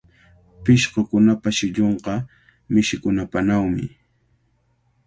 Pishqukunapa shillunqa mishikunapanawmi.